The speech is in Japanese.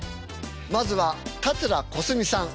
まずは桂小すみさん。